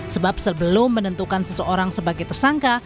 sebab sebelum menentukan seseorang sebagai tersangka